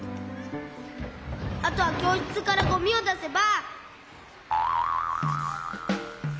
あとはきょうしつからゴミをだせば。